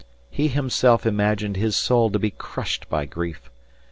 He himself imagined his soul to be crushed by grief.